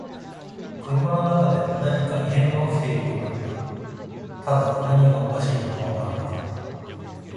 車の中で何か異変が起きているようだった。ただ何がおかしいのかわからなかった。